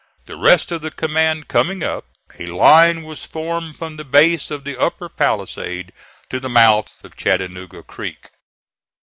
The rest of the command coming up, a line was formed from the base of the upper palisade to the mouth of Chattanooga Creek.